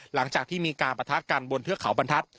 หลังจากที่มีการประทะกันบนเทือกเขาบรรทัศน